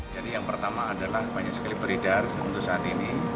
jadi yang pertama adalah banyak sekali beridar untuk saat ini